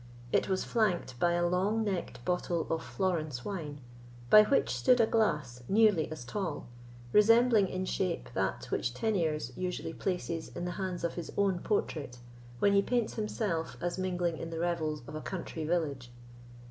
It was flanked by a long necked bottle of Florence wine, by which stood a glass nearly as tall, resembling in shape that which Teniers usually places in the hands of his own portrait, when he paints himself as mingling in the revels of a country village.